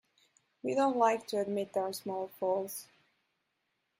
We don't like to admit our small faults.